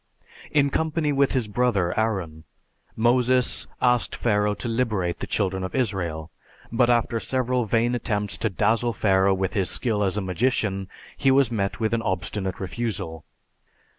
In company with his brother, Aaron, Moses asked Pharaoh to liberate the children of Israel, but after several vain attempts to dazzle Pharaoh with his skill as a magician, he was met with an obstinate refusal.